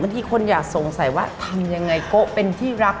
ทีคนอยากสงสัยว่าทำยังไงโกะเป็นที่รัก